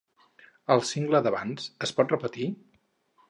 El single d'abans, el pots repetir?